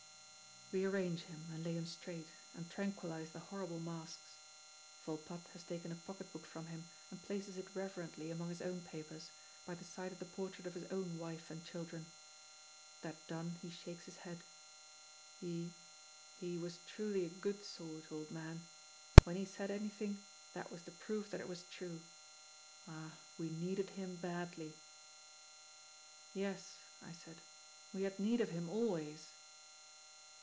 We arrange him, and lay him straight, and tranquillize the horrible masks. Volpatte has taken a pocket book from him and places it reverently among his own papers, by the side of the portrait of his own wife and children. That done, he shakes his head: "He he was truly a good sort, old man. When he said anything, that was the proof that it was true. Ah, we needed him badly!" "Yes," I said, "we had need of him always."